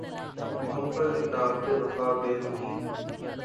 Muhabbat Adawat Wafa Berukhi